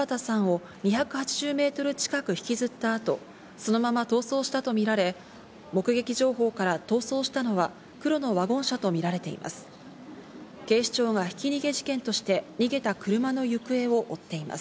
自転車ごと田畑さんを２８０メートル近く引きづったあとそのまま逃走したとみられ、目撃情報から逃走したのは黒のワゴン車とみられています。